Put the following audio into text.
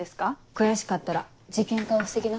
悔しかったら事件化を防ぎな。